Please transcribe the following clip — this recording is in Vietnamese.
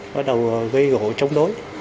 bắt đầu gây gỗ chống đối